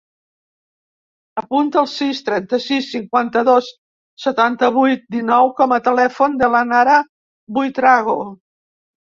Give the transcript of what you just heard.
Apunta el sis, trenta-sis, cinquanta-dos, setanta-vuit, dinou com a telèfon de la Nara Buitrago.